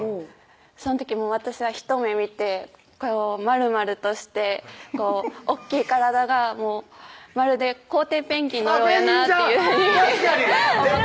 その時私はひと目見てこのまるまるとして大っきい体がまるでコウテイペンギンのようやなってペンギンちゃん！